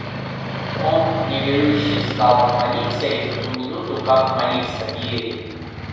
Он, неверующий, стал молиться и в ту минуту, как молился, верил.